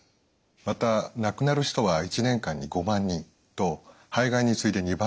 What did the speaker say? また亡くなる人は１年間に５万人と肺がんに次いで２番目に多いです。